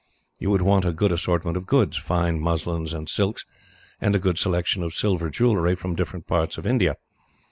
You would want a good assortment of goods; fine muslins and silks, and a good selection of silver jewellery, from different parts of India.